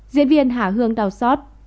diễn viên hà hương đào sót